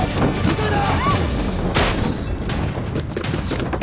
急いで！